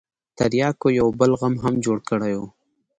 ترياکو يو بل غم هم جوړ کړى و.